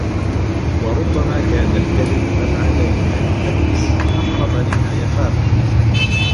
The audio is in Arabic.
وَرُبَّمَا كَانَ الْكَذِبُ أَبْعَدَ لِمَا يُؤَمِّلُ وَأَقْرَبَ لِمَا يَخَافُ